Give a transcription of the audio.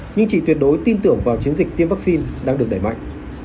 nhưng chị tuyệt đối tin tưởng vào chiến dịch tiêm vaccine đang được đẩy mạnh